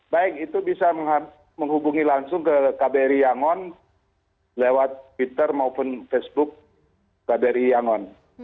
baik itu bisa menghubungi langsung ke kbri yangon lewat twitter maupun facebook kbri yangon